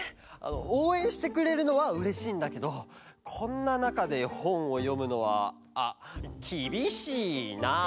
おうえんしてくれるのはうれしいんだけどこんななかでほんをよむのはあっきびしいな！